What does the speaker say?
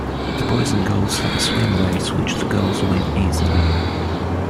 The boys and girls have a swim race which the girls win easily.